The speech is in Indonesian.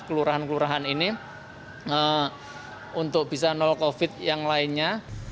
kelurahan kelurahan ini untuk bisa nol covid yang lainnya